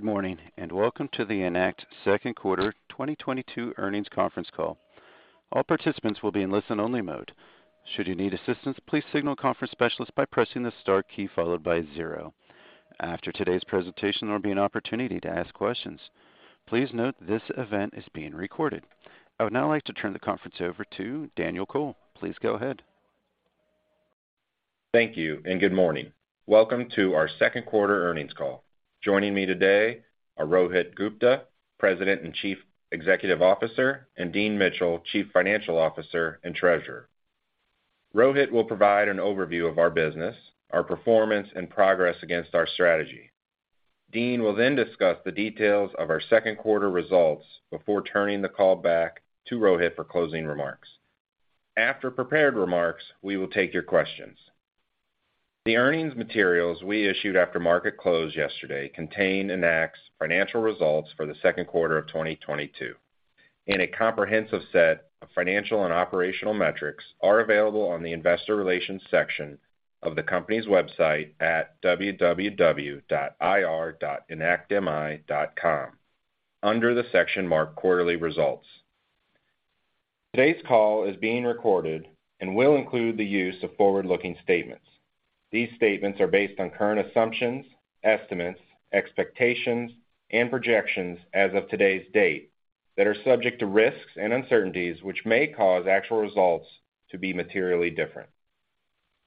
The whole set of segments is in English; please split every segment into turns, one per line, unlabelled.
Good morning, and welcome to the Enact second quarter 2022 earnings conference call. All participants will be in listen-only mode. Should you need assistance, please signal a conference specialist by pressing the star key followed by zero. After today's presentation, there will be an opportunity to ask questions. Please note this event is being recorded. I would now like to turn the conference over to Daniel Kohl. Please go ahead.
Thank you and good morning. Welcome to our second quarter earnings call. Joining me today are Rohit Gupta, President and Chief Executive Officer, and Dean Mitchell, Chief Financial Officer and Treasurer. Rohit will provide an overview of our business, our performance and progress against our strategy. Dean will then discuss the details of our second quarter results before turning the call back to Rohit for closing remarks. After prepared remarks, we will take your questions. The earnings materials we issued after market close yesterday contain Enact's financial results for the second quarter of 2022. A comprehensive set of financial and operational metrics are available on the investor relations section of the company's website at www.ir.enactmi.com under the section marked Quarterly Results. Today's call is being recorded and will include the use of forward-looking statements. These statements are based on current assumptions, estimates, expectations, and projections as of today's date that are subject to risks and uncertainties which may cause actual results to be materially different.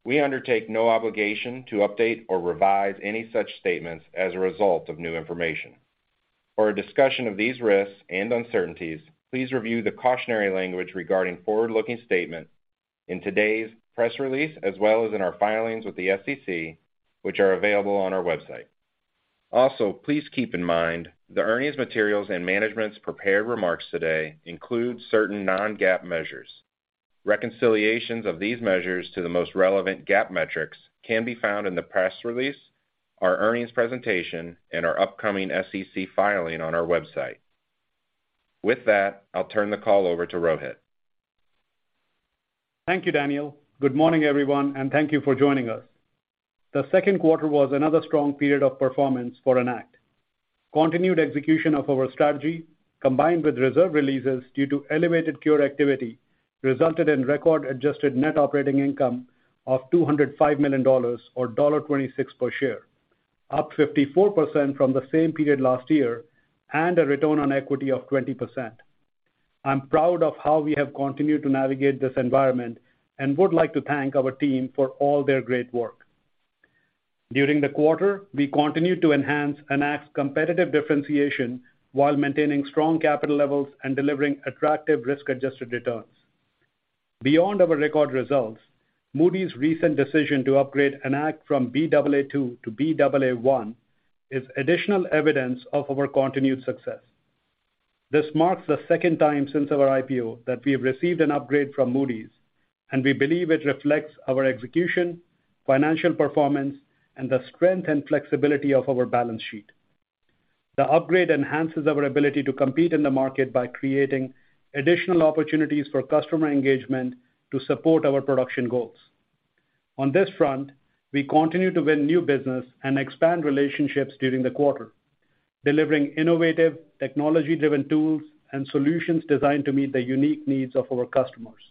We undertake no obligation to update or revise any such statements as a result of new information. For a discussion of these risks and uncertainties, please review the cautionary language regarding forward-looking statement in today's press release, as well as in our filings with the SEC, which are available on our website. Also, please keep in mind the earnings materials and management's prepared remarks today include certain non-GAAP measures. Reconciliations of these measures to the most relevant GAAP metrics can be found in the press release, our earnings presentation, and our upcoming SEC filing on our website. With that, I'll turn the call over to Rohit.
Thank you, Daniel. Good morning, everyone, and thank you for joining us. The second quarter was another strong period of performance for Enact. Continued execution of our strategy, combined with reserve releases due to elevated cure activity, resulted in record adjusted net operating income of $205 million or $1.26 per share, up 54% from the same period last year, and a return on equity of 20%. I'm proud of how we have continued to navigate this environment and would like to thank our team for all their great work. During the quarter, we continued to enhance Enact's competitive differentiation while maintaining strong capital levels and delivering attractive risk-adjusted returns. Beyond our record results, Moody's recent decision to upgrade Enact from Baa2 to Baa1 is additional evidence of our continued success. This marks the second time since our IPO that we have received an upgrade from Moody's, and we believe it reflects our execution, financial performance, and the strength and flexibility of our balance sheet. The upgrade enhances our ability to compete in the market by creating additional opportunities for customer engagement to support our production goals. On this front, we continue to win new business and expand relationships during the quarter, delivering innovative technology-driven tools and solutions designed to meet the unique needs of our customers.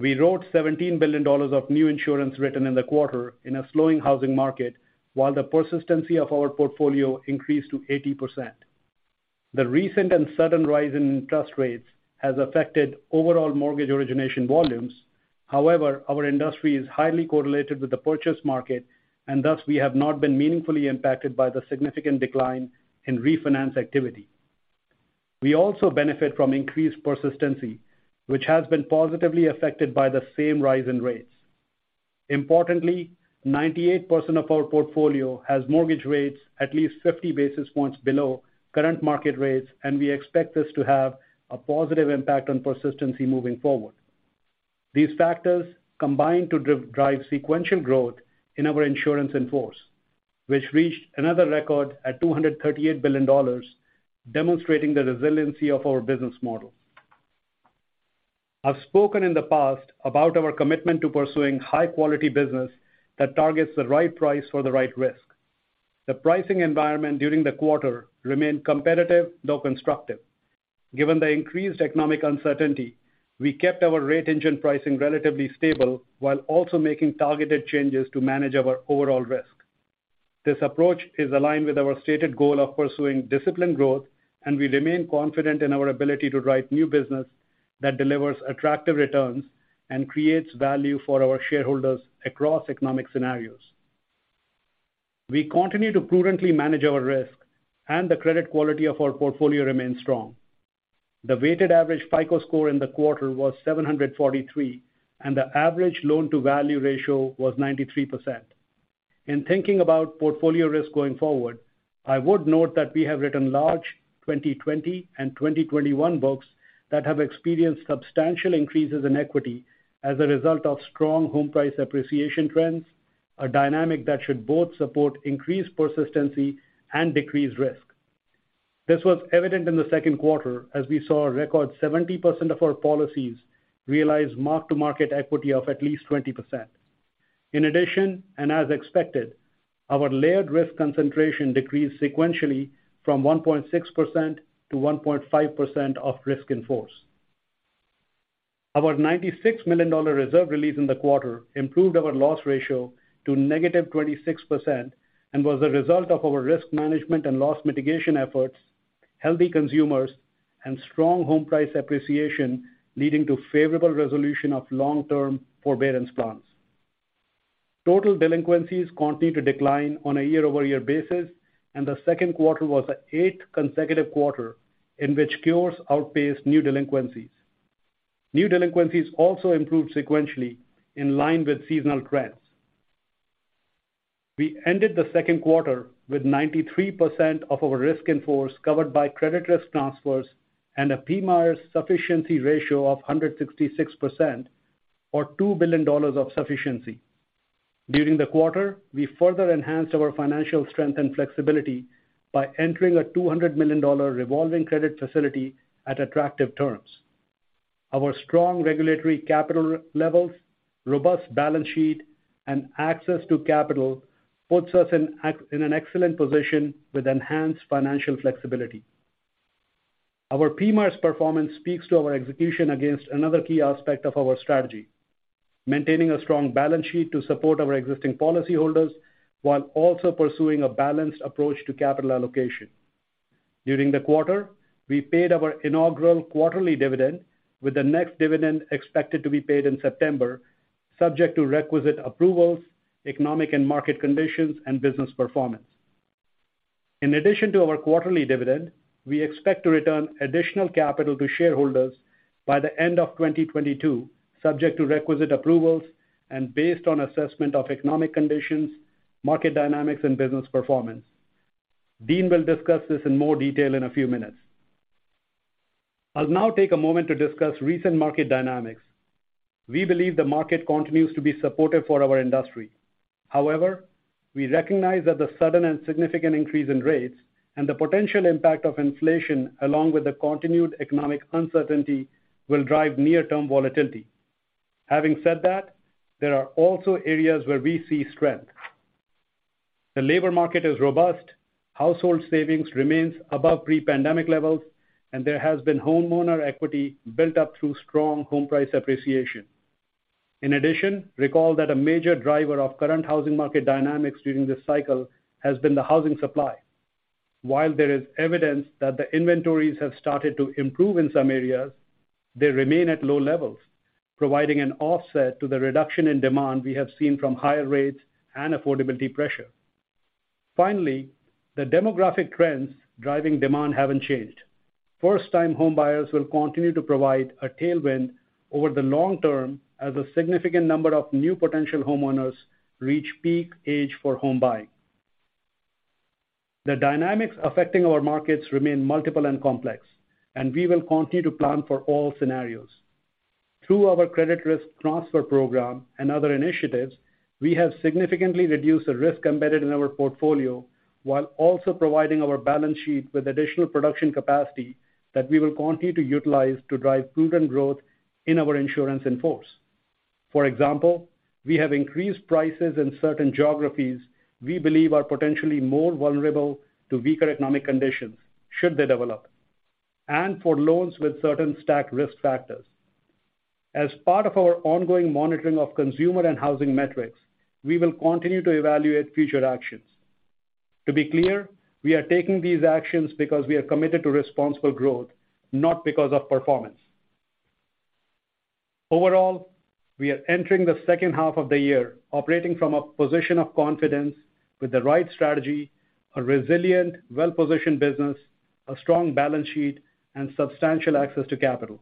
We wrote $17 billion of new insurance written in the quarter in a slowing housing market, while the persistency of our portfolio increased to 80%. The recent and sudden rise in interest rates has affected overall mortgage origination volumes. However, our industry is highly correlated with the purchase market, and thus we have not been meaningfully impacted by the significant decline in refinance activity. We also benefit from increased persistency, which has been positively affected by the same rise in rates. Importantly, 98% of our portfolio has mortgage rates at least 50 basis points below current market rates, and we expect this to have a positive impact on persistency moving forward. These factors combine to drive sequential growth in our insurance in force, which reached another record at $238 billion, demonstrating the resiliency of our business model. I've spoken in the past about our commitment to pursuing high-quality business that targets the right price for the right risk. The pricing environment during the quarter remained competitive, though constructive. Given the increased economic uncertainty, we kept our rate engine pricing relatively stable while also making targeted changes to manage our overall risk. This approach is aligned with our stated goal of pursuing disciplined growth, and we remain confident in our ability to drive new business that delivers attractive returns and creates value for our shareholders across economic scenarios. We continue to prudently manage our risk, and the credit quality of our portfolio remains strong. The weighted average FICO score in the quarter was 743, and the average loan-to-value ratio was 93%. In thinking about portfolio risk going forward, I would note that we have written large 2020 and 2021 books that have experienced substantial increases in equity as a result of strong home price appreciation trends, a dynamic that should both support increased persistency and decrease risk. This was evident in the second quarter as we saw a record 70% of our policies realize mark-to-market equity of at least 20%. In addition, and as expected, our layered risk concentration decreased sequentially from 1.6% to 1.5% of risk in force. Our $96 million reserve release in the quarter improved our loss ratio to -26%, and was a result of our risk management and loss mitigation efforts, healthy consumers, and strong home price appreciation, leading to favorable resolution of long-term forbearance plans. Total delinquencies continued to decline on a year-over-year basis, and the second quarter was the eighth consecutive quarter in which cures outpaced new delinquencies. New delinquencies also improved sequentially in line with seasonal trends. We ended the second quarter with 93% of our risk in force covered by credit risk transfers and a PMIER sufficiency ratio of 166% or $2 billion of sufficiency. During the quarter, we further enhanced our financial strength and flexibility by entering a $200 million revolving credit facility at attractive terms. Our strong regulatory capital levels, robust balance sheet, and access to capital puts us in an excellent position with enhanced financial flexibility. Our PMIERs performance speaks to our execution against another key aspect of our strategy, maintaining a strong balance sheet to support our existing policyholders while also pursuing a balanced approach to capital allocation. During the quarter, we paid our inaugural quarterly dividend, with the next dividend expected to be paid in September, subject to requisite approvals, economic and market conditions, and business performance. In addition to our quarterly dividend, we expect to return additional capital to shareholders by the end of 2022, subject to requisite approvals and based on assessment of economic conditions, market dynamics, and business performance. Dean will discuss this in more detail in a few minutes. I'll now take a moment to discuss recent market dynamics. We believe the market continues to be supportive for our industry. However, we recognize that the sudden and significant increase in rates and the potential impact of inflation, along with the continued economic uncertainty, will drive near-term volatility. Having said that, there are also areas where we see strength. The labor market is robust, household savings remains above pre-pandemic levels, and there has been homeowner equity built up through strong home price appreciation. In addition, recall that a major driver of current housing market dynamics during this cycle has been the housing supply. While there is evidence that the inventories have started to improve in some areas, they remain at low levels, providing an offset to the reduction in demand we have seen from higher rates and affordability pressure. Finally, the demographic trends driving demand haven't changed. First-time homebuyers will continue to provide a tailwind over the long term as a significant number of new potential homeowners reach peak age for home buying. The dynamics affecting our markets remain multiple and complex, and we will continue to plan for all scenarios. Through our credit risk transfer program and other initiatives, we have significantly reduced the risk embedded in our portfolio while also providing our balance sheet with additional production capacity that we will continue to utilize to drive prudent growth in our insurance in force. For example, we have increased prices in certain geographies we believe are potentially more vulnerable to weaker economic conditions should they develop, and for loans with certain stacked risk factors. As part of our ongoing monitoring of consumer and housing metrics, we will continue to evaluate future actions. To be clear, we are taking these actions because we are committed to responsible growth, not because of performance. Overall, we are entering the second half of the year operating from a position of confidence with the right strategy, a resilient, well-positioned business, a strong balance sheet, and substantial access to capital.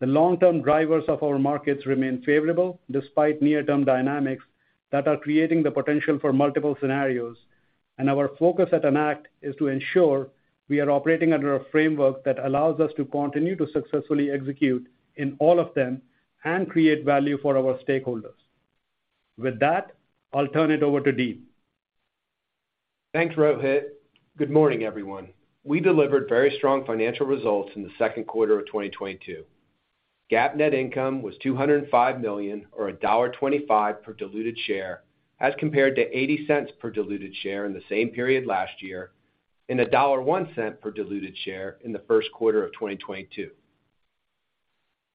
The long-term drivers of our markets remain favorable despite near-term dynamics that are creating the potential for multiple scenarios, and our focus at Enact is to ensure we are operating under a framework that allows us to continue to successfully execute in all of them and create value for our stakeholders. With that, I'll turn it over to Dean.
Thanks, Rohit. Good morning, everyone. We delivered very strong financial results in the second quarter of 2022. GAAP net income was $205 million or $1.25 per diluted share as compared to $0.80 per diluted share in the same period last year and $1.01 per diluted share in the first quarter of 2022.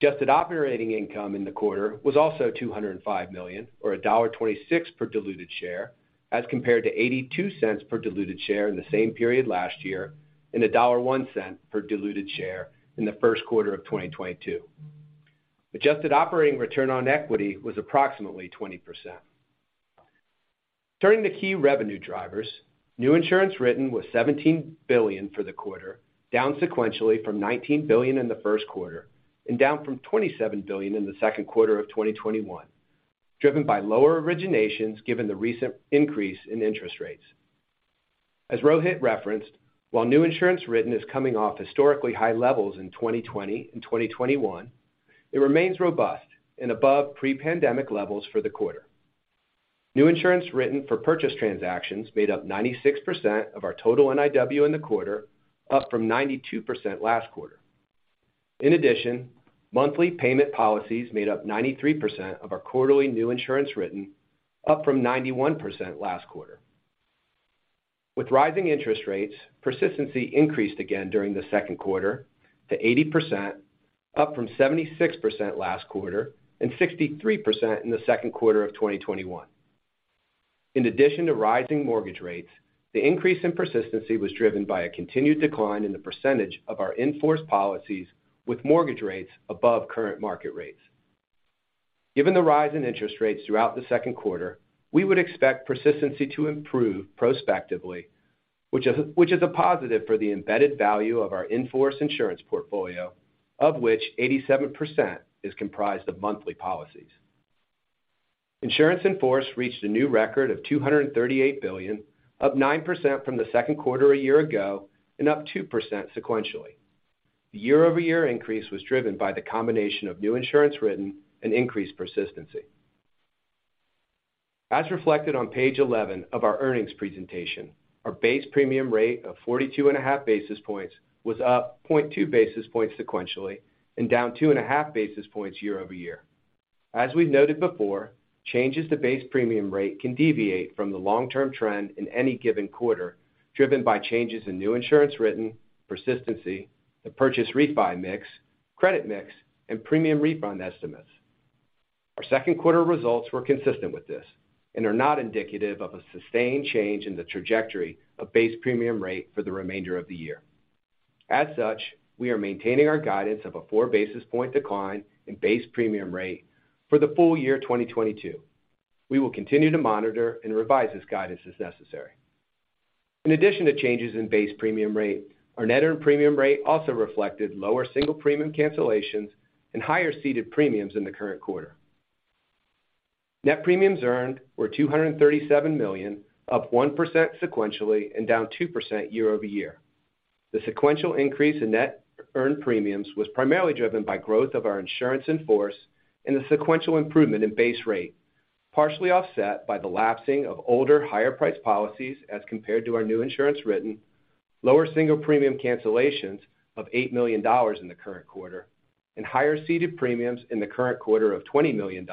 Adjusted operating income in the quarter was also $205 million or $1.26 per diluted share as compared to $0.82 per diluted share in the same period last year and $1.01 per diluted share in the first quarter of 2022. Adjusted operating return on equity was approximately 20%. Turning to key revenue drivers. New insurance written was $17 billion for the quarter, down sequentially from $19 billion in the first quarter and down from $27 billion in the second quarter of 2021, driven by lower originations given the recent increase in interest rates. As Rohit referenced, while new insurance written is coming off historically high levels in 2020 and 2021, it remains robust and above pre-pandemic levels for the quarter. New insurance written for purchase transactions made up 96% of our total NIW in the quarter, up from 92% last quarter. In addition, monthly payment policies made up 93% of our quarterly new insurance written, up from 91% last quarter. With rising interest rates, persistency increased again during the second quarter to 80%, up from 76% last quarter and 63% in the second quarter of 2021. In addition to rising mortgage rates, the increase in persistency was driven by a continued decline in the percentage of our in-force policies with mortgage rates above current market rates. Given the rise in interest rates throughout the second quarter, we would expect persistency to improve prospectively, which is a positive for the embedded value of our in-force insurance portfolio, of which 87% is comprised of monthly policies. Insurance in force reached a new record of $238 billion, up 9% from the second quarter a year ago and up 2% sequentially. The year-over-year increase was driven by the combination of new insurance written and increased persistency. As reflected on page 11 of our earnings presentation, our base premium rate of 42.5 basis points was up 0.2 basis points sequentially and down 2.5 basis points year-over-year. We've noted before, changes to base premium rate can deviate from the long-term trend in any given quarter, driven by changes in new insurance written, persistency, the purchase refi mix, credit mix, and premium refund estimates. Our second quarter results were consistent with this and are not indicative of a sustained change in the trajectory of base premium rate for the remainder of the year. We're maintaining our guidance of a 4 basis point decline in base premium rate for the full year 2022. We will continue to monitor and revise this guidance as necessary. In addition to changes in base premium rate, our net earned premium rate also reflected lower single premium cancellations and higher ceded premiums in the current quarter. Net premiums earned were $237 million, up 1% sequentially and down 2% year-over-year. The sequential increase in net earned premiums was primarily driven by growth of our insurance in force and the sequential improvement in base rate, partially offset by the lapsing of older, higher priced policies as compared to our new insurance written, lower single premium cancellations of $8 million in the current quarter, and higher ceded premiums in the current quarter of $20 million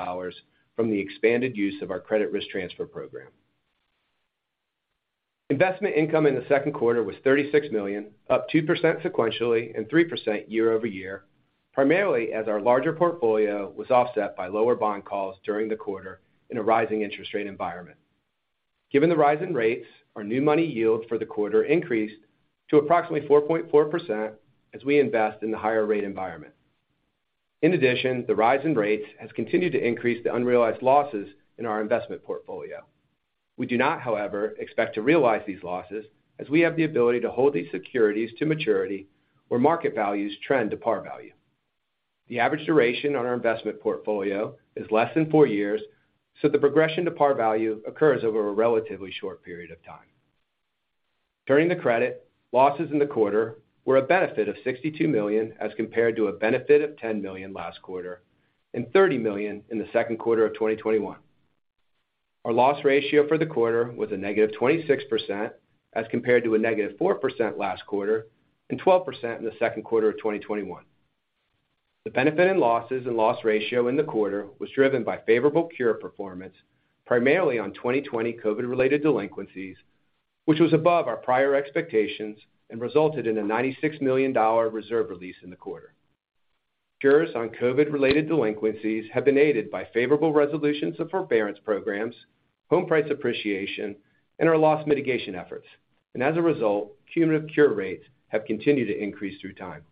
from the expanded use of our credit risk transfer program. Investment income in the second quarter was $36 million, up 2% sequentially and 3% year-over-year, primarily as our larger portfolio was offset by lower bond calls during the quarter in a rising interest rate environment. Given the rise in rates, our new money yield for the quarter increased to approximately 4.4% as we invest in the higher rate environment. In addition, the rise in rates has continued to increase the unrealized losses in our investment portfolio. We do not, however, expect to realize these losses as we have the ability to hold these securities to maturity where market values trend to par value. The average duration on our investment portfolio is less than four years, so the progression to par value occurs over a relatively short period of time. Turning to credit, losses in the quarter were a benefit of $62 million as compared to a benefit of $10 million last quarter and $30 million in the second quarter of 2021. Our loss ratio for the quarter was a negative 26% as compared to a negative 4% last quarter and 12% in the second quarter of 2021. The benefit in losses and loss ratio in the quarter was driven by favorable cure performance, primarily on 2020 COVID-related delinquencies, which was above our prior expectations and resulted in a $96 million reserve release in the quarter. Cures on COVID-related delinquencies have been aided by favorable resolutions of forbearance programs, home price appreciation, and our loss mitigation efforts. As a result, cumulative cure rates have continued to increase through time.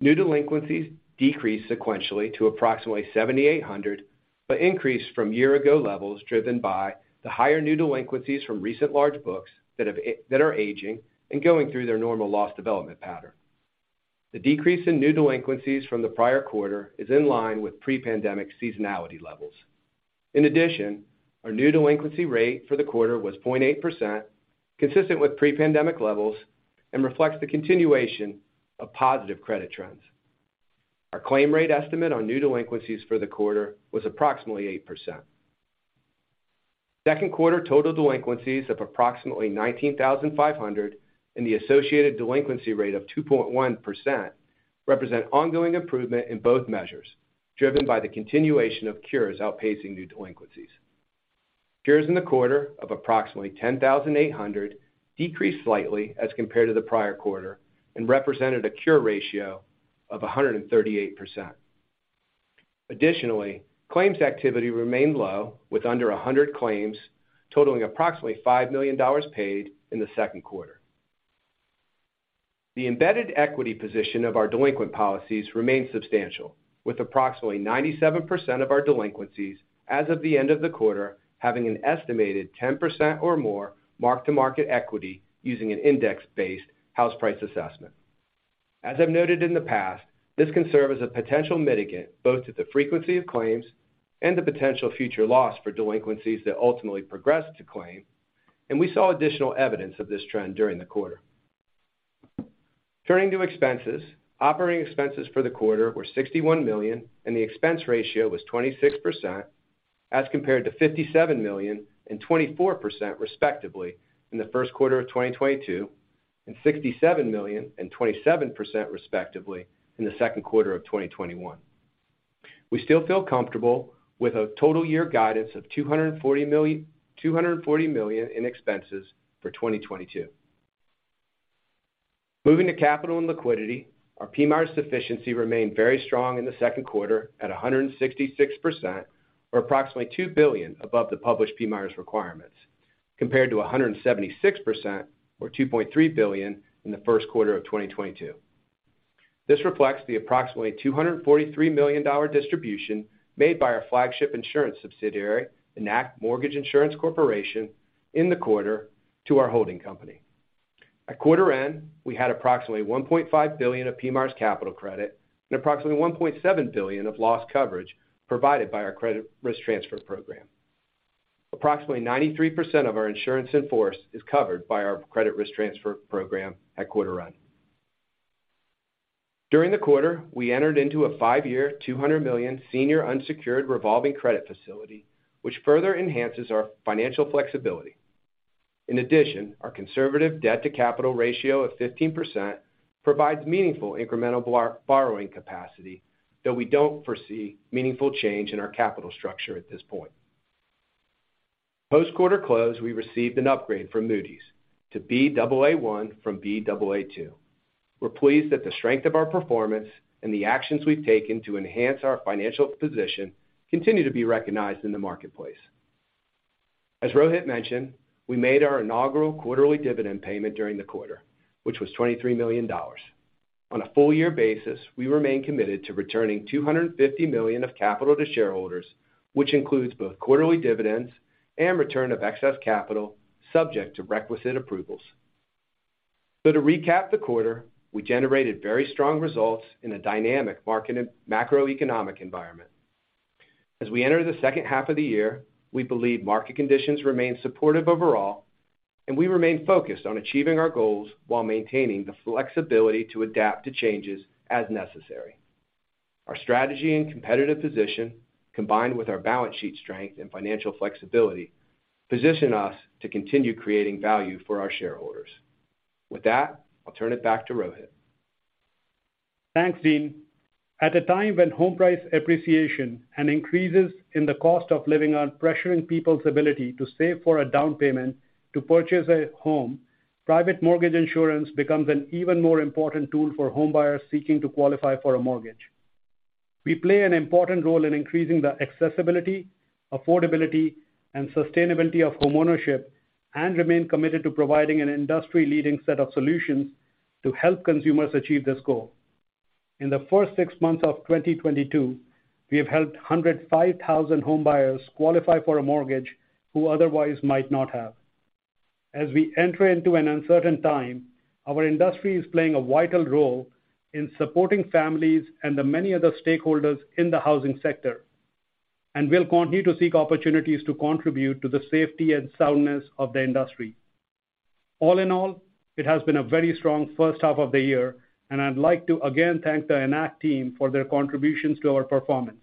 New delinquencies decreased sequentially to approximately 7,800, but increased from year ago levels, driven by the higher new delinquencies from recent large books that are aging and going through their normal loss development pattern. The decrease in new delinquencies from the prior quarter is in line with pre-pandemic seasonality levels. In addition, our new delinquency rate for the quarter was 0.8%, consistent with pre-pandemic levels and reflects the continuation of positive credit trends. Our claim rate estimate on new delinquencies for the quarter was approximately 8%. Second quarter total delinquencies of approximately 19,500 and the associated delinquency rate of 2.1% represent ongoing improvement in both measures, driven by the continuation of cures outpacing new delinquencies. Cures in the quarter of approximately 10,800 decreased slightly as compared to the prior quarter and represented a cure ratio of 138%. Additionally, claims activity remained low with under 100 claims, totaling approximately $5 million paid in the second quarter. The embedded equity position of our delinquent policies remains substantial, with approximately 97% of our delinquencies as of the end of the quarter having an estimated 10% or more mark-to-market equity using an index-based house price assessment. As I've noted in the past, this can serve as a potential mitigant both to the frequency of claims and the potential future loss for delinquencies that ultimately progress to claim, and we saw additional evidence of this trend during the quarter. Turning to expenses. Operating expenses for the quarter were $61 million, and the expense ratio was 26%, as compared to $57 million and 24% respectively in the first quarter of 2022, and $67 million and 27% respectively in the second quarter of 2021. We still feel comfortable with a total year guidance of $240 million in expenses for 2022. Moving to capital and liquidity. Our PMIER sufficiency remained very strong in the second quarter at 166%, or approximately $2 billion above the published PMIERs requirements, compared to 176% or $2.3 billion in the first quarter of 2022. This reflects the approximately $243 million distribution made by our flagship insurance subsidiary, Enact Mortgage Insurance Corporation, in the quarter to our holding company. At quarter end, we had approximately $1.5 billion of PMIERs capital credit and approximately $1.7 billion of loss coverage provided by our credit risk transfer program. Approximately 93% of our insurance in force is covered by our credit risk transfer program at quarter end. During the quarter, we entered into a five-year, $200 million senior unsecured revolving credit facility, which further enhances our financial flexibility. In addition, our conservative debt to capital ratio of 15% provides meaningful incremental borrowing capacity, though we don't foresee meaningful change in our capital structure at this point. Post quarter close, we received an upgrade from Moody's to Baa1 from Baa2. We're pleased that the strength of our performance and the actions we've taken to enhance our financial position continue to be recognized in the marketplace. As Rohit mentioned, we made our inaugural quarterly dividend payment during the quarter, which was $23 million. On a full year basis, we remain committed to returning $250 million of capital to shareholders, which includes both quarterly dividends and return of excess capital subject to requisite approvals. To recap the quarter, we generated very strong results in a dynamic market macroeconomic environment. As we enter the second half of the year, we believe market conditions remain supportive overall, and we remain focused on achieving our goals while maintaining the flexibility to adapt to changes as necessary. Our strategy and competitive position, combined with our balance sheet strength and financial flexibility, position us to continue creating value for our shareholders. With that, I'll turn it back to Rohit.
Thanks, Dean. At a time when home price appreciation and increases in the cost of living are pressuring people's ability to save for a down payment to purchase a home, private mortgage insurance becomes an even more important tool for home buyers seeking to qualify for a mortgage. We play an important role in increasing the accessibility, affordability, and sustainability of homeownership and remain committed to providing an industry-leading set of solutions to help consumers achieve this goal. In the first six months of 2022, we have helped 105,000 homebuyers qualify for a mortgage who otherwise might not have. As we enter into an uncertain time, our industry is playing a vital role in supporting families and the many other stakeholders in the housing sector, and we'll continue to seek opportunities to contribute to the safety and soundness of the industry. All in all, it has been a very strong first half of the year, and I'd like to again thank the Enact team for their contributions to our performance.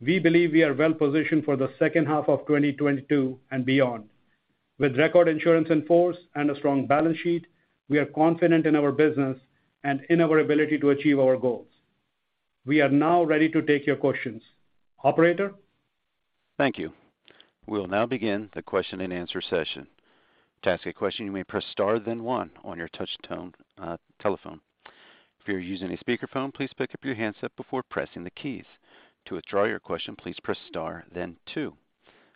We believe we are well-positioned for the second half of 2022 and beyond. With record insurance in force and a strong balance sheet, we are confident in our business and in our ability to achieve our goals. We are now ready to take your questions. Operator?
Thank you. We'll now begin the question and answer session. To ask a question, you may press star then one on your touch tone telephone. If you're using a speakerphone, please pick up your handset before pressing the keys. To withdraw your question, please press star then two.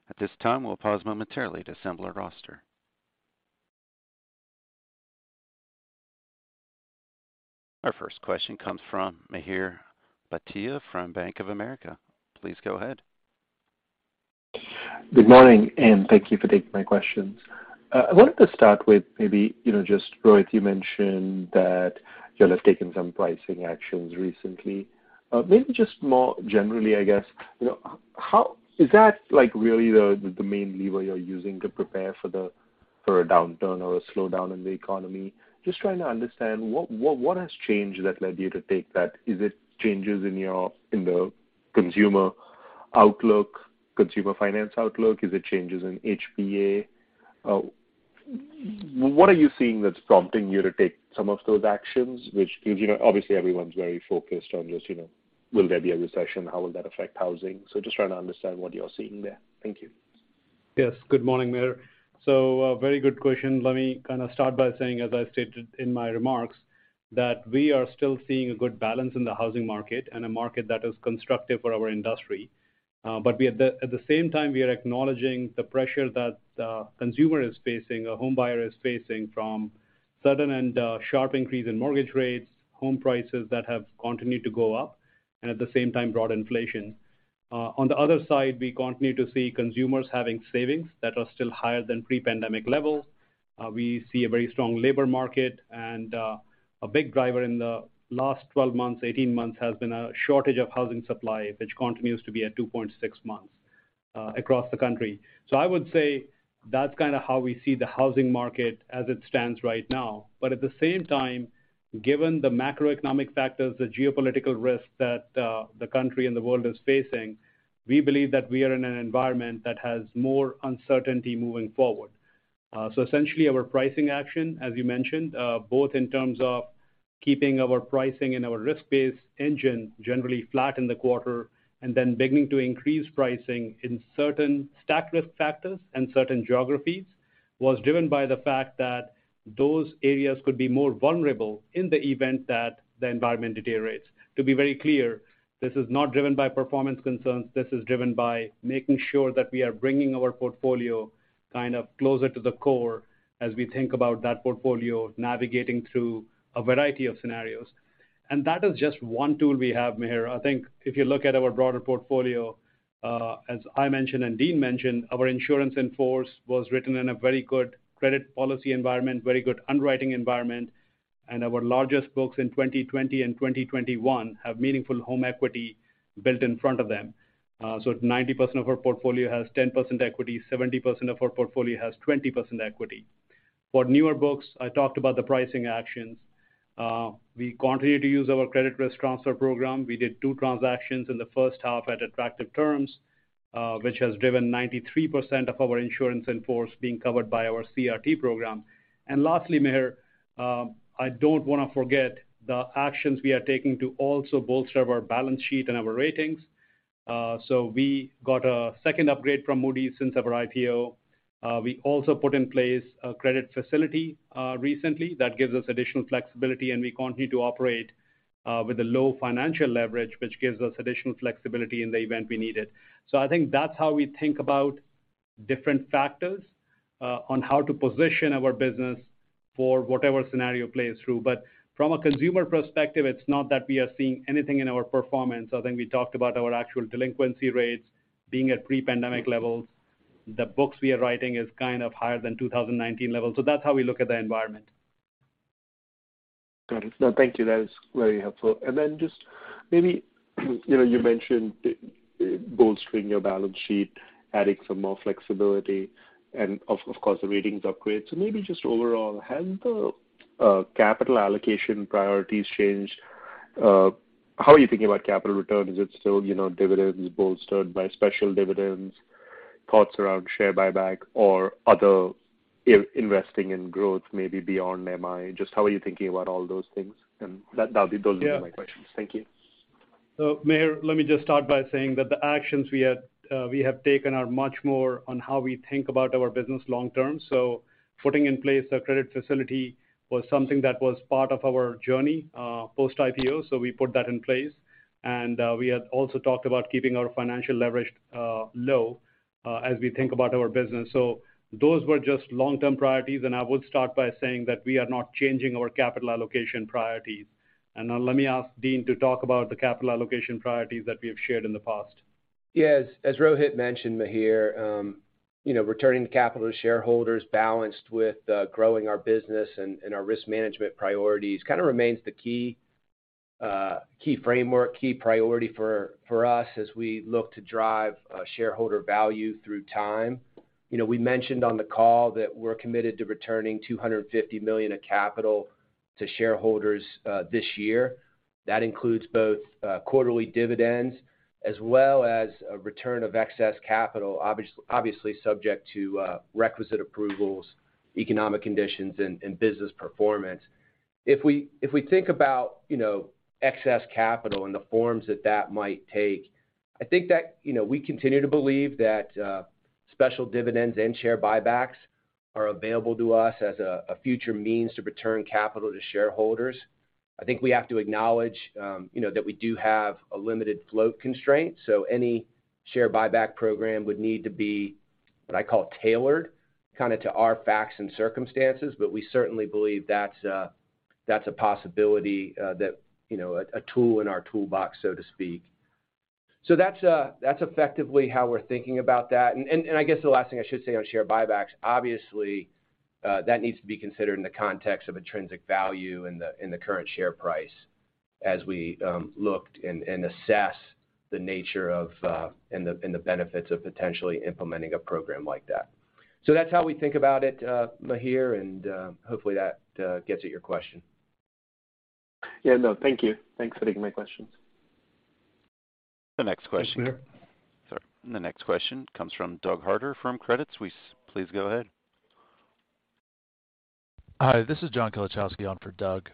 At this time, we'll pause momentarily to assemble our roster. Our first question comes from Mihir Bhatia from Bank of America. Please go ahead.
Good morning, and thank you for taking my questions. I wanted to start with maybe, you know, just, Rohit, you mentioned that y'all have taken some pricing actions recently. Maybe just more generally, I guess, how is that, like, really the main lever you're using to prepare for a downturn or a slowdown in the economy? Just trying to understand what has changed that led you to take that? Is it changes in your consumer outlook, consumer finance outlook? Is it changes in HPA? What are you seeing that's prompting you to take some of those actions, which, you know, obviously everyone's very focused on just, you know, will there be a recession? How will that affect housing? Just trying to understand what you're seeing there. Thank you.
Yes. Good morning, Mihir. Very good question. Let me kind of start by saying, as I stated in my remarks, that we are still seeing a good balance in the housing market and a market that is constructive for our industry. At the same time, we are acknowledging the pressure that the consumer is facing, a homebuyer is facing from sudden and sharp increase in mortgage rates, home prices that have continued to go up, and at the same time, broad inflation. On the other side, we continue to see consumers having savings that are still higher than pre-pandemic levels. We see a very strong labor market and a big driver in the last 12 months, 18 months has been a shortage of housing supply, which continues to be at 2.6 months across the country. I would say that's kinda how we see the housing market as it stands right now. At the same time, given the macroeconomic factors, the geopolitical risks that, the country and the world is facing, we believe that we are in an environment that has more uncertainty moving forward. Essentially, our pricing action, as you mentioned, both in terms of keeping our pricing and our risk-based engine generally flat in the quarter and then beginning to increase pricing in certain stack risk factors and certain geographies, was driven by the fact that those areas could be more vulnerable in the event that the environment deteriorates. To be very clear, this is not driven by performance concerns. This is driven by making sure that we are bringing our portfolio kind of closer to the core as we think about that portfolio navigating through a variety of scenarios. That is just one tool we have, Mihir. I think if you look at our broader portfolio, as I mentioned and Dean mentioned, our insurance in force was written in a very good credit policy environment, very good underwriting environment, and our largest books in 2020 and 2021 have meaningful home equity built in front of them. 90% of our portfolio has 10% equity, 70% of our portfolio has 20% equity. For newer books, I talked about the pricing actions. We continue to use our credit risk transfer program. We did two transactions in the first half at attractive terms, which has driven 93% of our insurance in force being covered by our CRT program. Lastly, Mihir, I don't wanna forget the actions we are taking to also bolster our balance sheet and our ratings. We got a second upgrade from Moody's since our IPO. We also put in place a credit facility recently that gives us additional flexibility, and we continue to operate with a low financial leverage, which gives us additional flexibility in the event we need it. I think that's how we think about different factors on how to position our business for whatever scenario plays through. From a consumer perspective, it's not that we are seeing anything in our performance. I think we talked about our actual delinquency rates being at pre-pandemic levels. The books we are writing is kind of higher than 2019 levels. That's how we look at the environment.
Got it. No, thank you. That is very helpful. Just maybe, you know, you mentioned bolstering your balance sheet, adding some more flexibility and of course, the ratings upgrade. Maybe just overall, have the capital allocation priorities changed? How are you thinking about capital return? Is it still, you know, dividends bolstered by special dividends, thoughts around share buyback or other investing in growth maybe beyond MI? Just how are you thinking about all those things? That'll be those are my questions. Thank you.
Mihir, let me just start by saying that the actions we have taken are much more on how we think about our business long term. Putting in place a credit facility was something that was part of our journey post-IPO, so we put that in place. We had also talked about keeping our financial leverage low as we think about our business. Those were just long-term priorities, and I would start by saying that we are not changing our capital allocation priorities. Now let me ask Dean to talk about the capital allocation priorities that we have shared in the past.
Yes. As Rohit mentioned, Mihir, you know, returning the capital to shareholders balanced with growing our business and our risk management priorities kinda remains the key key framework, key priority for us as we look to drive shareholder value through time. You know, we mentioned on the call that we're committed to returning $250 million of capital to shareholders this year. That includes both quarterly dividends as well as a return of excess capital, obviously subject to requisite approvals, economic conditions and business performance. If we think about, you know, excess capital and the forms that that might take, I think that, you know, we continue to believe that special dividends and share buybacks are available to us as a future means to return capital to shareholders. I think we have to acknowledge, you know, that we do have a limited float constraint, so any share buyback program would need to be, what I call tailored kinda to our facts and circumstances. We certainly believe that's a possibility, that, you know, a tool in our toolbox, so to speak. That's effectively how we're thinking about that. I guess the last thing I should say on share buybacks, obviously, that needs to be considered in the context of intrinsic value in the current share price as we look and assess the nature of and the benefits of potentially implementing a program like that. That's how we think about it, Mihir, and hopefully that gets at your question.
Yeah, no. Thank you. Thanks for taking my questions.
The next question.
Thanks, Mihir.
Sorry. The next question comes from Doug Harter from Credit Suisse. Please go ahead.
Hi, this is John Kilichowski on for Doug.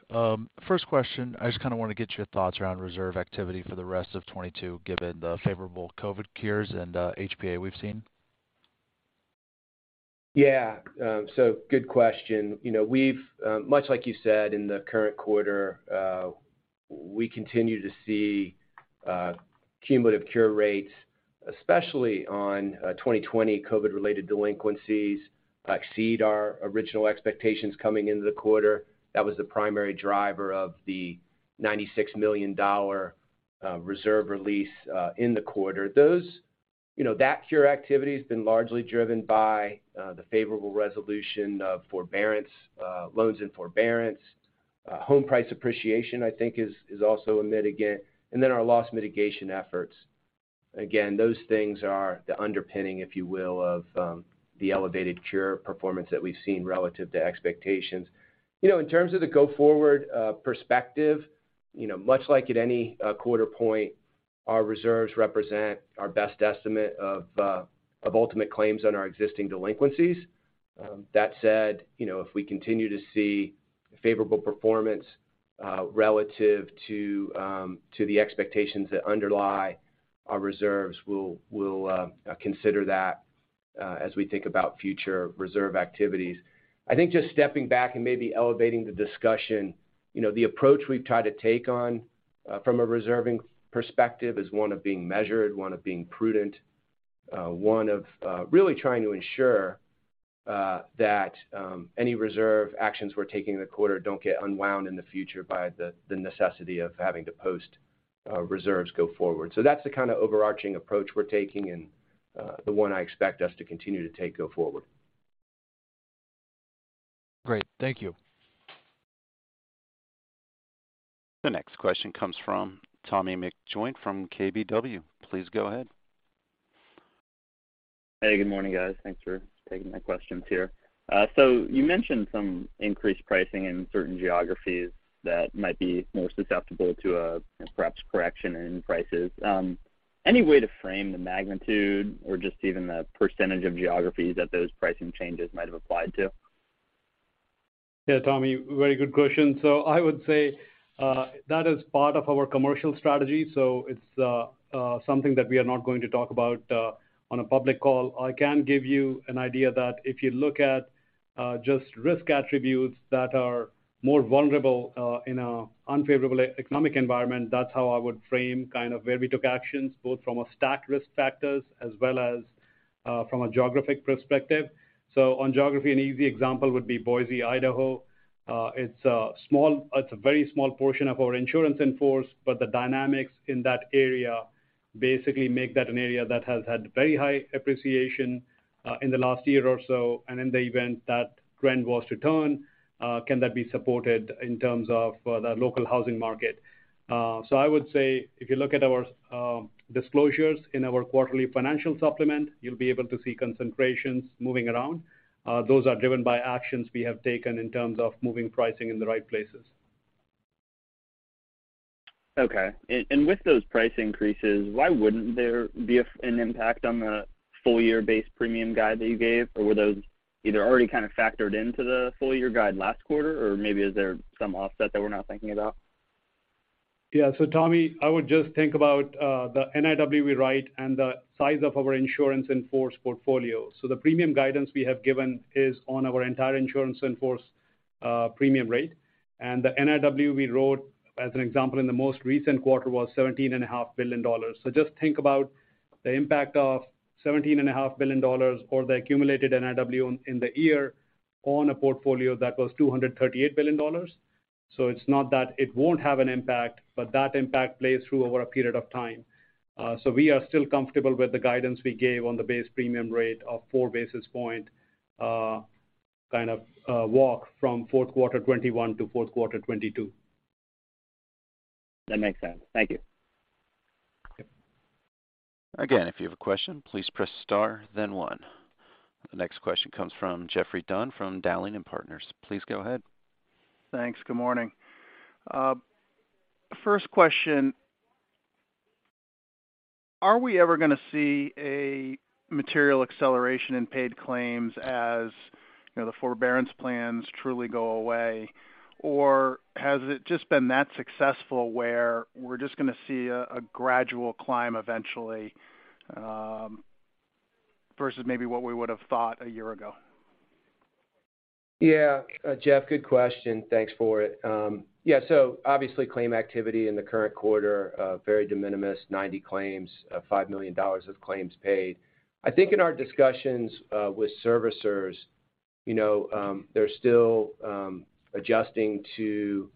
First question, I just kinda wanna get your thoughts around reserve activity for the rest of 2022, given the favorable cure rates and HPA we've seen.
Yeah. Good question. You know, we've much like you said in the current quarter, we continue to see cumulative cure rates, especially on 2020 COVID-related delinquencies exceed our original expectations coming into the quarter. That was the primary driver of the $96 million reserve release in the quarter. Those, you know, that cure activity has been largely driven by the favorable resolution of forbearance loans and home price appreciation, I think, is also a mitigator. Our loss mitigation efforts. Again, those things are the underpinning, if you will, of the elevated cure performance that we've seen relative to expectations. You know, in terms of the go-forward perspective, you know, much like at any quarter point, our reserves represent our best estimate of ultimate claims on our existing delinquencies. That said, you know, if we continue to see favorable performance relative to the expectations that underlie our reserves, we'll consider that as we think about future reserve activities. I think just stepping back and maybe elevating the discussion, you know, the approach we've tried to take on from a reserving perspective is one of being measured, one of being prudent, one of really trying to ensure that any reserve actions we're taking in the quarter don't get unwound in the future by the necessity of having to post reserves go forward. That's the kind of overarching approach we're taking and the one I expect us to continue to take go forward.
Great. Thank you.
The next question comes from Tommy McJoynt from KBW. Please go ahead.
Hey, good morning, guys. Thanks for taking my questions here. You mentioned some increased pricing in certain geographies that might be more susceptible to a perhaps correction in prices. Any way to frame the magnitude or just even the percentage of geographies that those pricing changes might have applied to?
Yeah, Tommy, very good question. I would say that is part of our commercial strategy, so it's something that we are not going to talk about on a public call. I can give you an idea that if you look at just risk attributes that are more vulnerable in a unfavorable economic environment, that's how I would frame kind of where we took actions, both from a stacked risk factors as well as from a geographic perspective. On geography, an easy example would be Boise, Idaho. It's a very small portion of our insurance in force, but the dynamics in that area basically make that an area that has had very high appreciation in the last year or so. In the event that trend was to turn, can that be supported in terms of the local housing market? I would say if you look at our disclosures in our quarterly financial supplement, you'll be able to see concentrations moving around. Those are driven by actions we have taken in terms of moving pricing in the right places.
Okay. With those price increases, why wouldn't there be an impact on the full-year base premium guide that you gave? Or were those either already kind of factored into the full-year guide last quarter? Or maybe is there some offset that we're not thinking about?
Yeah. Tommy, I would just think about the NIW we write and the size of our insurance in force portfolio. The premium guidance we have given is on our entire insurance in force premium rate. The NIW we wrote, as an example, in the most recent quarter was $17.5 billion. Just think about the impact of $17.5 billion or the accumulated NIW in the year on a portfolio that was $238 billion. It's not that it won't have an impact, but that impact plays through over a period of time. We are still comfortable with the guidance we gave on the base premium rate of 4 basis points kind of walk from fourth quarter 2021 to fourth quarter 2022.
That makes sense. Thank you.
Okay.
Again, if you have a question, please press star then one. The next question comes from Geoffrey Dunn from Dowling & Partners. Please go ahead.
Thanks, good morning. First question, are we ever going to see a material acceleration in paid claims as the forbearance plans truly go away? Or has it just been that successful where we’re just going to see a gradual climb eventually versus maybe what we would have thought a year ago?
Yeah, Geoff, good question. Thanks for it. Yeah, so obviously claim activity in the current quarter, very de minimis, 90 claims, $5 million of claims paid. I think in our discussions with servicers, you know, they're still adjusting to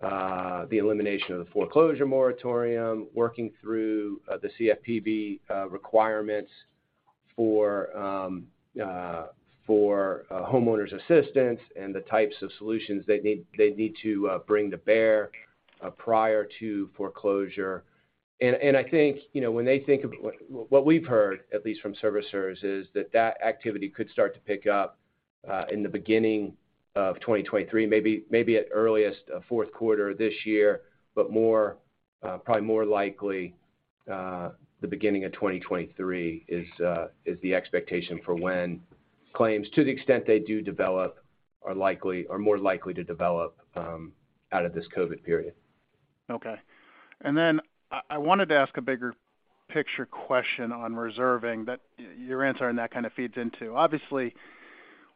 the elimination of the foreclosure moratorium, working through the CFPB requirements for homeowners' assistance and the types of solutions they need to bring to bear prior to foreclosure. I think, you know, what we've heard, at least from servicers, is that activity could start to pick up in the beginning of 2023, maybe at earliest, fourth quarter this year, but more probably more likely the beginning of 2023 is the expectation for when claims, to the extent they do develop, are likely or more likely to develop out of this COVID period.
Okay. I wanted to ask a bigger picture question on reserving that your answer on that kind of feeds into. Obviously,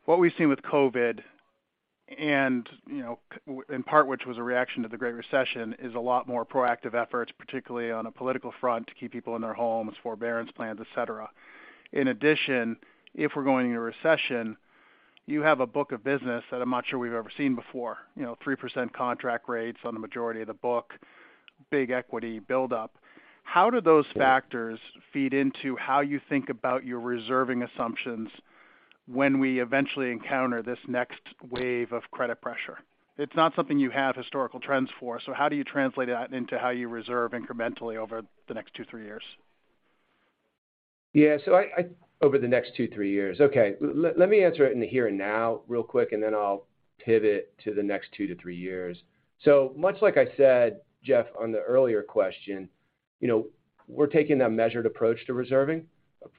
what we've seen with COVID and, you know, in part, which was a reaction to the Great Recession, is a lot more proactive efforts, particularly on a political front, to keep people in their homes, forbearance plans, et cetera. In addition, if we're going into recession, you have a book of business that I'm not sure we've ever seen before. You know, 3% contract rates on the majority of the book. Big equity buildup. How do those factors feed into how you think about your reserving assumptions when we eventually encounter this next wave of credit pressure? It's not something you have historical trends for, so how do you translate that into how you reserve incrementally over the next two, three years?
Okay. Let me answer it in the here and now real quick, and then I'll pivot to the next 2-3 years. Much like I said, Geoff, on the earlier question, you know, we're taking a measured approach to reserving,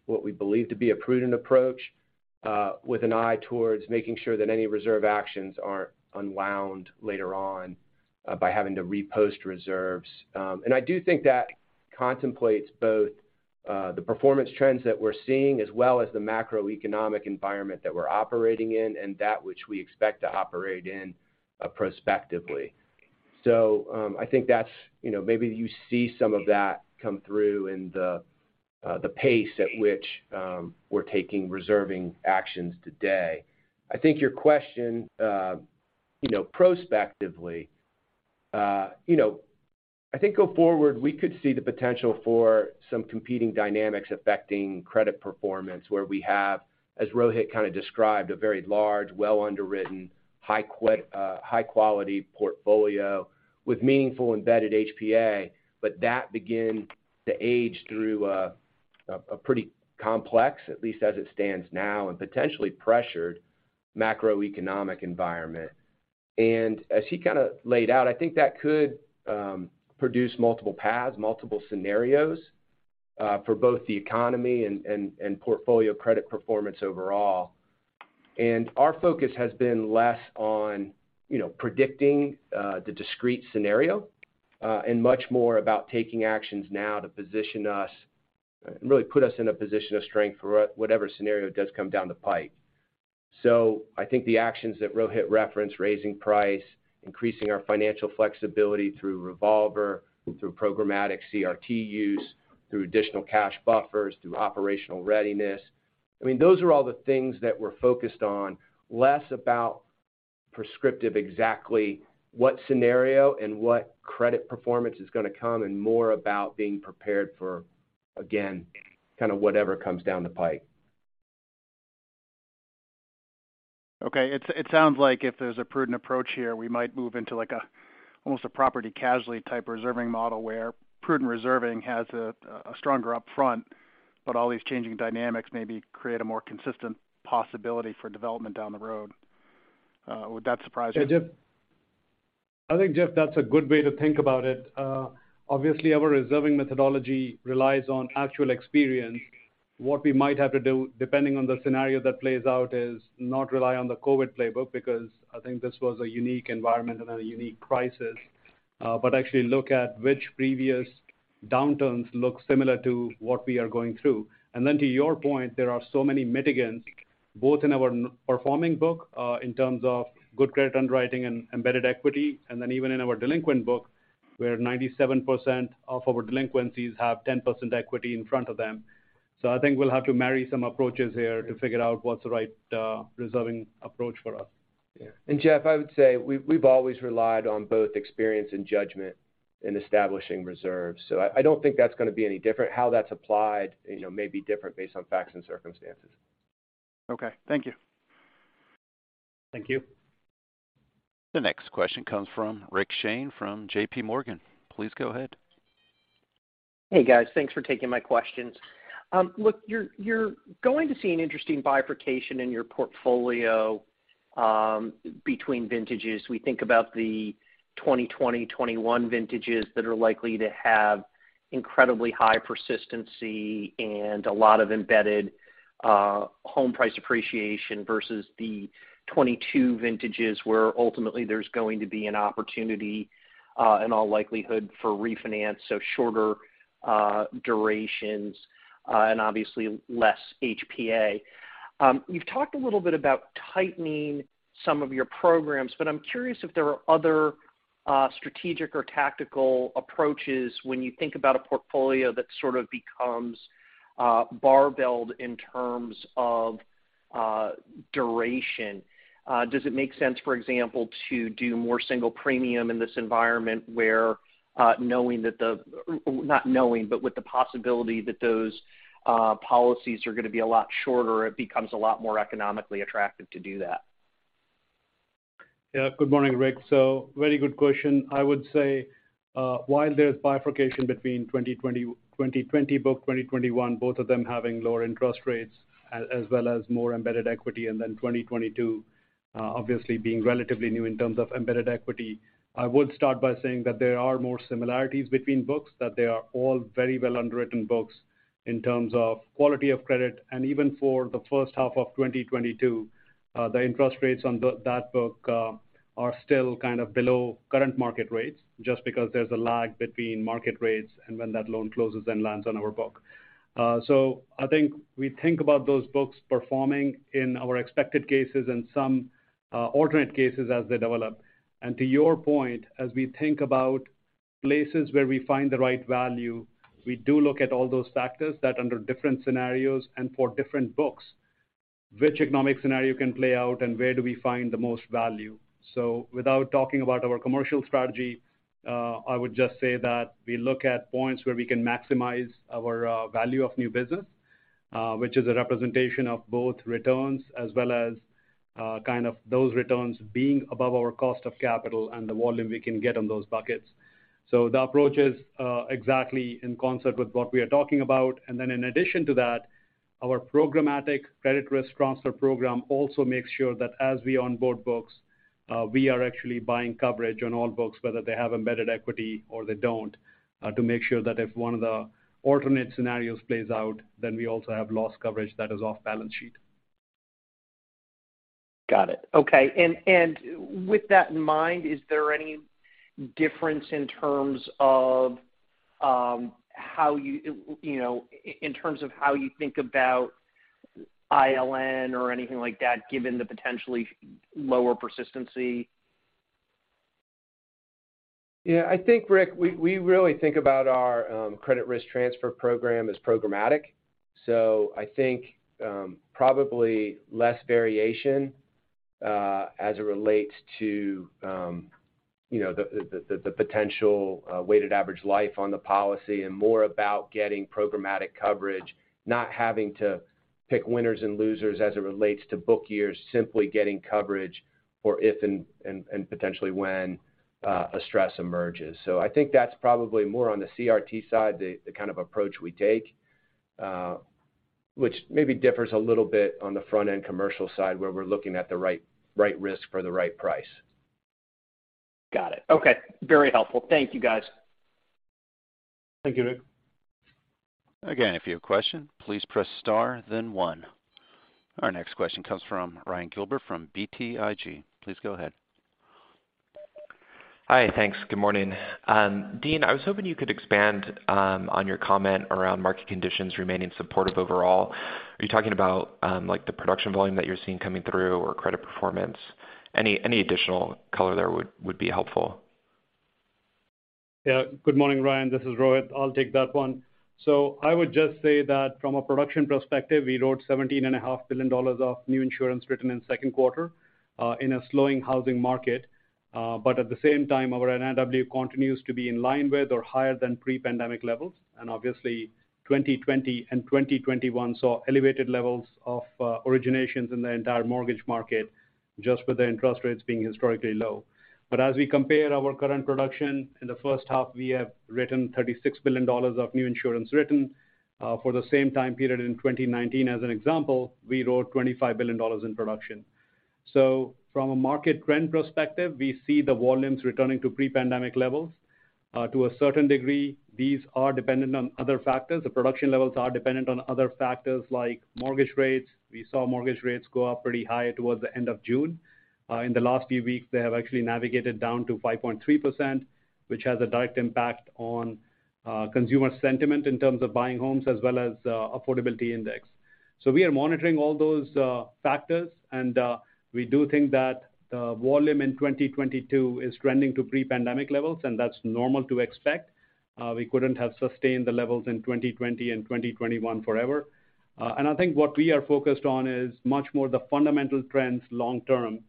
what we believe to be a prudent approach, with an eye towards making sure that any reserve actions aren't unwound later on by having to repost reserves. I do think that contemplates both the performance trends that we're seeing, as well as the macroeconomic environment that we're operating in and that which we expect to operate in prospectively. I think that's, you know, maybe you see some of that come through in the pace at which we're taking reserving actions today. I think your question, you know, prospectively, you know, I think go forward, we could see the potential for some competing dynamics affecting credit performance where we have, as Rohit kind of described, a very large, well underwritten, high quality portfolio with meaningful embedded HPA. That begin to age through a pretty complex, at least as it stands now, and potentially pressured macroeconomic environment. As he kinda laid out, I think that could produce multiple paths, multiple scenarios, for both the economy and portfolio credit performance overall. Our focus has been less on, you know, predicting the discrete scenario, and much more about taking actions now to position us, really put us in a position of strength for whatever scenario does come down the pipe. I think the actions that Rohit referenced, raising price, increasing our financial flexibility through revolver, through programmatic CRT use, through additional cash buffers, through operational readiness, I mean, those are all the things that we're focused on, less about prescriptive exactly what scenario and what credit performance is gonna come, and more about being prepared for, again, kind of whatever comes down the pipe.
Okay. It sounds like if there's a prudent approach here, we might move into like almost a property casualty type reserving model where prudent reserving has a stronger upfront, but all these changing dynamics maybe create a more consistent possibility for development down the road. Would that surprise you?
Geoff, I think, Geoff, that's a good way to think about it. Obviously our reserving methodology relies on actual experience. What we might have to do depending on the scenario that plays out is not rely on the COVID playbook, because I think this was a unique environment and a unique crisis, but actually look at which previous downturns look similar to what we are going through. To your point, there are so many mitigants, both in our non-performing book, in terms of good credit underwriting and embedded equity, and then even in our delinquent book, where 97% of our delinquencies have 10% equity in front of them. I think we'll have to marry some approaches here to figure out what's the right reserving approach for us.
Yeah. Geoff, I would say we've always relied on both experience and judgment in establishing reserves. I don't think that's gonna be any different. How that's applied, you know, may be different based on facts and circumstances.
Okay. Thank you.
Thank you.
The next question comes from Rick Shane from JPMorgan. Please go ahead.
Hey, guys. Thanks for taking my questions. Look, you're going to see an interesting bifurcation in your portfolio, between vintages. We think about the 2020, 2021 vintages that are likely to have incredibly high persistency and a lot of embedded, home price appreciation versus the 2022 vintages where ultimately there's going to be an opportunity, in all likelihood for refinance, so shorter, durations, and obviously less HPA. You've talked a little bit about tightening some of your programs, but I'm curious if there are other, strategic or tactical approaches when you think about a portfolio that sort of becomes, barbelled in terms of, duration. Does it make sense, for example, to do more single premium in this environment where, knowing that the... Not knowing, but with the possibility that those policies are gonna be a lot shorter, it becomes a lot more economically attractive to do that?
Yeah. Good morning, Rick. Very good question. I would say, while there's bifurcation between 2020 book, 2021, both of them having lower interest rates as well as more embedded equity, and then 2022, obviously being relatively new in terms of embedded equity, I would start by saying that there are more similarities between books, that they are all very well underwritten books in terms of quality of credit. Even for the first half of 2022, the interest rates on that book are still kind of below current market rates just because there's a lag between market rates and when that loan closes and lands on our book. I think we think about those books performing in our expected cases and some alternate cases as they develop. To your point, as we think about places where we find the right value, we do look at all those factors that under different scenarios and for different books. Which economic scenario can play out and where do we find the most value? Without talking about our commercial strategy, I would just say that we look at points where we can maximize our value of new business, which is a representation of both returns as well as kind of those returns being above our cost of capital and the volume we can get on those buckets. The approach is exactly in concert with what we are talking about. In addition to that, our programmatic credit risk transfer program also makes sure that as we onboard books, we are actually buying coverage on all books, whether they have embedded equity or they don't, to make sure that if one of the alternate scenarios plays out, then we also have loss coverage that is off-balance sheet.
Got it. Okay. With that in mind, is there any difference in terms of how you think about ILN or anything like that, given the potentially lower persistency?
Yeah, I think, Rick, we really think about our credit risk transfer program as programmatic. I think probably less variation as it relates to you know the potential weighted average life on the policy and more about getting programmatic coverage, not having to pick winners and losers as it relates to book years, simply getting coverage for if and potentially when a stress emerges. I think that's probably more on the CRT side, the kind of approach we take, which maybe differs a little bit on the front-end commercial side, where we're looking at the right risk for the right price.
Got it. Okay. Very helpful. Thank you, guys.
Thank you, Rick.
Again, if you have a question, please press star then one. Our next question comes from Ryan Gilbert from BTIG. Please go ahead.
Hi, thanks. Good morning. Dean, I was hoping you could expand on your comment around market conditions remaining supportive overall. Are you talking about like the production volume that you're seeing coming through or credit performance? Any additional color there would be helpful.
Yeah. Good morning, Ryan. This is Rohit. I'll take that one. I would just say that from a production perspective, we wrote $17.5 billion of new insurance written in second quarter, in a slowing housing market. At the same time, our NIW continues to be in line with or higher than pre-pandemic levels. Obviously, 2020 and 2021 saw elevated levels of originations in the entire mortgage market, just with the interest rates being historically low. As we compare our current production, in the first half, we have written $36 billion of new insurance written. For the same time period in 2019, as an example, we wrote $25 billion in production. From a market trend perspective, we see the volumes returning to pre-pandemic levels. To a certain degree, these are dependent on other factors. The production levels are dependent on other factors like mortgage rates. We saw mortgage rates go up pretty high towards the end of June. In the last few weeks, they have actually navigated down to 5.3%, which has a direct impact on consumer sentiment in terms of buying homes as well as affordability index. We are monitoring all those factors, and we do think that the volume in 2022 is trending to pre-pandemic levels, and that's normal to expect. We couldn't have sustained the levels in 2020 and 2021 forever. I think what we are focused on is much more the fundamental trends long term.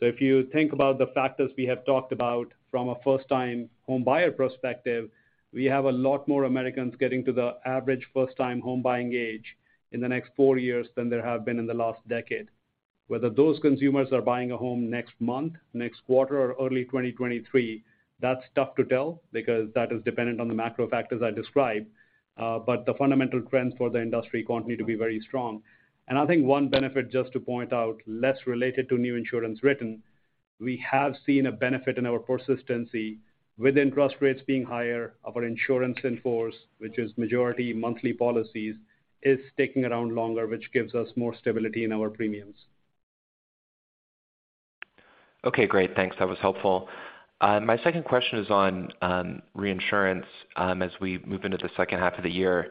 If you think about the factors we have talked about from a first-time homebuyer perspective, we have a lot more Americans getting to the average first-time home buying age in the next four years than there have been in the last decade. Whether those consumers are buying a home next month, next quarter or early 2023, that's tough to tell because that is dependent on the macro factors I described, but the fundamental trends for the industry continue to be very strong. I think one benefit, just to point out, less related to new insurance written, we have seen a benefit in our persistency with interest rates being higher, our insurance in force, which is majority monthly policies, is sticking around longer, which gives us more stability in our premiums.
Okay, great. Thanks. That was helpful. My second question is on reinsurance. As we move into the second half of the year,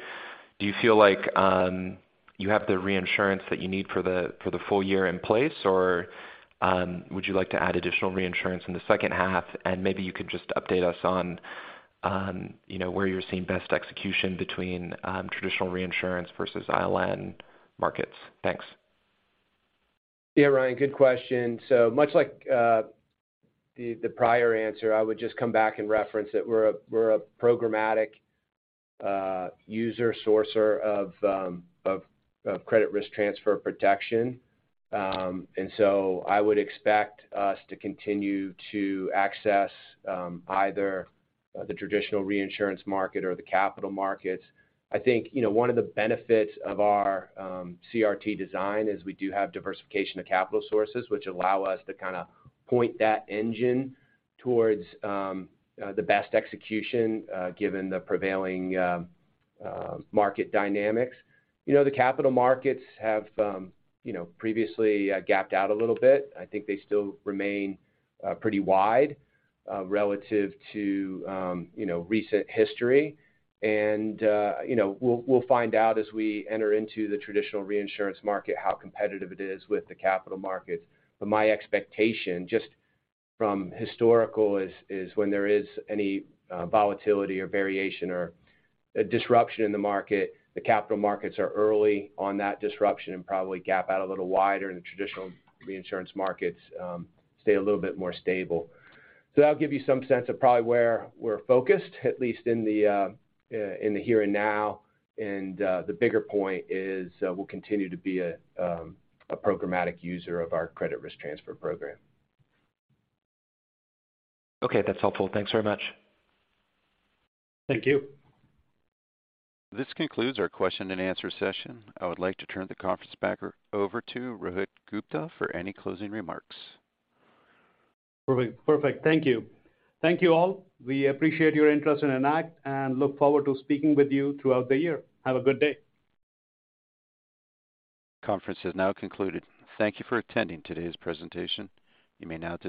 do you feel like you have the reinsurance that you need for the full year in place, or would you like to add additional reinsurance in the second half? Maybe you could just update us on, you know, where you're seeing best execution between traditional reinsurance versus ILN markets. Thanks.
Yeah, Ryan, good question. Much like the prior answer, I would just come back and reference that we're a programmatic user sourcer of credit risk transfer protection. I would expect us to continue to access either the traditional reinsurance market or the capital markets. I think, you know, one of the benefits of our CRT design is we do have diversification of capital sources, which allow us to kind of point that engine towards the best execution given the prevailing market dynamics. You know, the capital markets have you know, previously gapped out a little bit. I think they still remain pretty wide relative to you know, recent history. You know, we'll find out as we enter into the traditional reinsurance market how competitive it is with the capital markets. My expectation, just from historical, is when there is any volatility or variation or a disruption in the market, the capital markets are early on that disruption and probably gap out a little wider, and the traditional reinsurance markets stay a little bit more stable. That'll give you some sense of probably where we're focused, at least in the here and now. The bigger point is, we'll continue to be a programmatic user of our credit risk transfer program.
Okay, that's helpful. Thanks very much.
Thank you.
This concludes our question and answer session. I would like to turn the conference back over to Rohit Gupta for any closing remarks.
Perfect. Thank you all. We appreciate your interest in Enact and look forward to speaking with you throughout the year. Have a good day.
Conference has now concluded. Thank you for attending today's presentation. You may now disconnect.